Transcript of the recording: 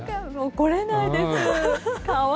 怒れないです。